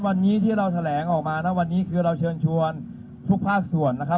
ก็วันนี้ที่เราแถลงนะครับเราตั้งใจจะเชิญชัวร์ร่านส่วนข้างบนที่นี่นะครับ